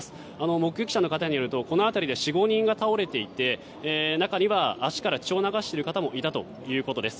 目撃者の方によるとこの辺りで４５人が倒れていて中には足から血を流している方もいたということです。